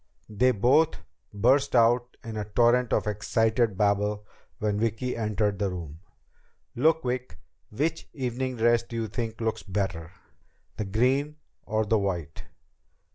They both burst out in a torrent of excited babble when Vicki entered the room. "Look, Vic. Which evening dress do you think looks better? The green or the white?"